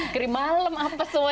krimalem apa semua